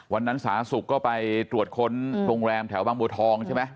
สาธารณสุขก็ไปตรวจค้นโรงแรมแถวบางบัวทองใช่ไหม